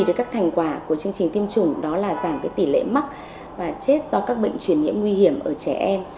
về các thành quả của chương trình tiêm chủng đó là giảm tỷ lệ mắc và chết do các bệnh truyền nhiễm nguy hiểm ở trẻ em